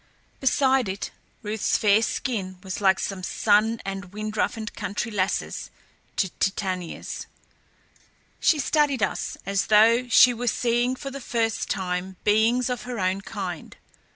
Beside it Ruth's fair skin was like some sun and wind roughened country lass's to Titania's. She studied us as though she were seeing for the first time beings of her own kind.